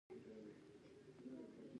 اود دوي درس ته به د ملک د لرې علاقو نه